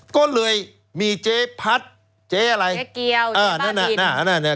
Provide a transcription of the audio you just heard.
ก็เลยมีเจ๊พัดเจ๊อะไรเจ๊เกียวเจ๊ป้าบินอ่านั่นนั่นนั่น